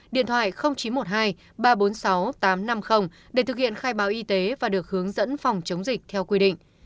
điện thoại chín trăm một mươi hai ba trăm bốn mươi sáu tám trăm năm mươi để thực hiện khai báo y tế và được hướng dẫn phòng chống dịch theo quy định